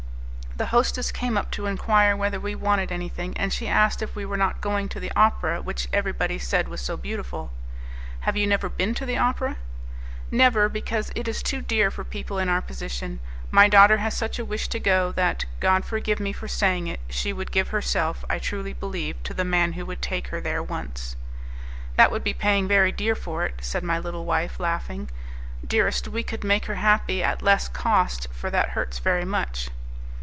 The hostess came up to enquire whether we wanted anything, and she asked if we were not going to the opera, which everybody said was so beautiful. "Have you never been to the opera?" "Never, because it is too dear for people in our position. My daughter has such a wish to go, that, God forgive me for saying it! she would give herself, I truly believe, to the man who would take her there once." "That would be paying very dear for it," said my little wife, laughing. "Dearest, we could make her happy at less cost, for that hurts very much."